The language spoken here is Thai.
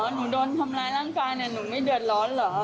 หนูโดนทำร้ายร่างกายเนี่ยหนูไม่เดือดร้อนเหรอ